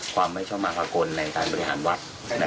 ความไม่ชอบมาภากลในการบริหารวัด